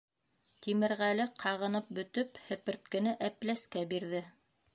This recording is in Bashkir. Тимерғәле, ҡағынып бөтөп, һеперткене Әпләскә бирҙе.